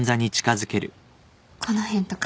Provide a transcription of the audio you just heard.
この辺とか。